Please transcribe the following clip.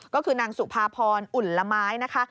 ก็คือนางสุภาพรอุ่นละไม้นะคะ